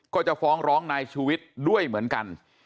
ก็จะฟ้องร้องนายชูวิทย์ด้วยเหมือนกัน